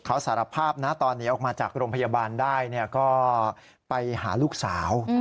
เขาสารภาพนะตอนนี้ออกมาจากโรงพยาบาลได้ก็ไปหาลูกสาว